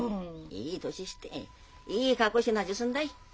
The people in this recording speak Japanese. いい年していいかっこしてなじょすんだい？